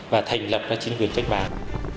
và thành lập các chính quyền cách mạng